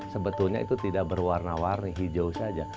sebetulnya itu tidak berwarna warni hijau saja